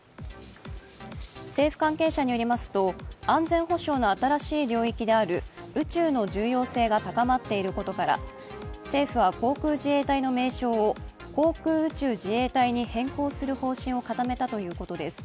政府関係者によりますと安全保障の新しい領域である宇宙の重要性が高まっていることから政府は航空自衛隊の名称を航空宇宙自衛隊に変更する方針を固めたということです。